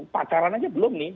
pacaran aja belum nih